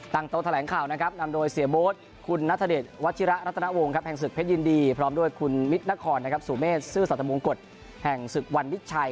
โต๊แถลงข่าวนะครับนำโดยเสียโบ๊ทคุณนัทเดชวัชิระรัตนวงแห่งศึกเพชรยินดีพร้อมด้วยคุณมิตรนครนะครับสุเมษซื่อสัตว์มงกฎแห่งศึกวันมิชัย